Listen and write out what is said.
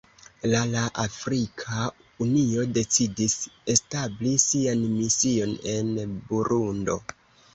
La la Afrika Unio decidis establi sian mision en Burundo.